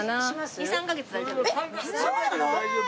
２３カ月大丈夫。